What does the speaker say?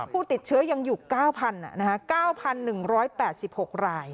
ผู้ติดเชื้อยังอยู่๙๐๐๐นะคะ๙๑๘๖ราย